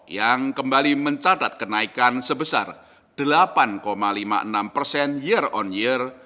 yang kembali mencatat kenaikan sebesar delapan lima puluh enam persen year on year